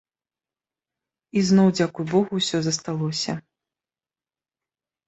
І зноў, дзякуй богу, усё засталося.